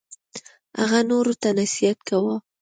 هغه نورو ته نصیحت کاوه.